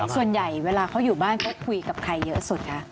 ส่วนใหญ่เวลาเขาอยู่บ้านเขาคุยกับใครเยอะสุดคะ